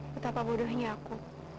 betapa bodohnya aku